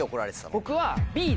僕は。